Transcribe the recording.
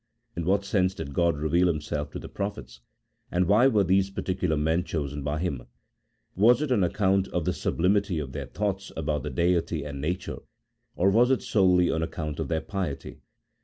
in what sense did G od reveal Himself to the prophets, and why were these particular men chosen by Him ? Was it on account of the sublimity of their thoughts about the Deity and nature, or was it solely on account of their piety